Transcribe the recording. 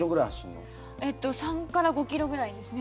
３から５ｋｍぐらいです。